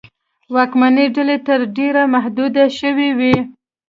واکمنې ډلې تر ډېره محدودې شوې وې.